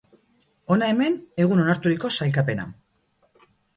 Hona hemen egun onarturiko sailkapena.